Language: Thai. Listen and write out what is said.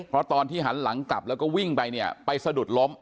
เพราะตอนที่หันหลังกลับแล้วก็วิ่งไปเนี่ยไปสะดุดล้ม